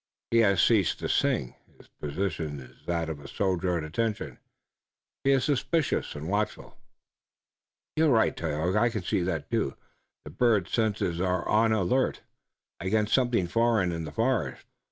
He has ceased to sing. His position is that of a soldier at attention. He is suspicious and watchful." "You're right, Tayoga. I can see, too, that the bird's senses are on the alert against something foreign in the forest.